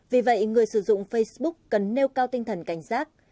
vì vậy người sử dụng facebook cần nêu cao tinh thần cảnh giác